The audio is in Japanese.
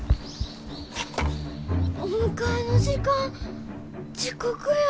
お迎えの時間遅刻や。